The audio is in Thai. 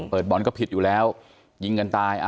เปิดบอลก็ผิดอยู่แล้วยิงกันตาย